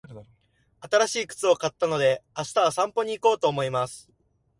新しい靴を買ったので、明日は散歩に行こうと思います。